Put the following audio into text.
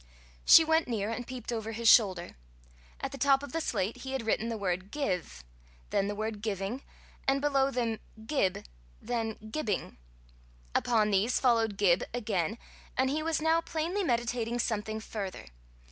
She went near and peeped over his shoulder. At the top of the slate he had written the word give, then the word giving, and below them, gib, then gibing; upon these followed gib again, and he was now plainly meditating something further.